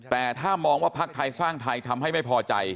แต่ถ้ามองว่าพักไทยสร้างไทยทำให้ไม่พอใจ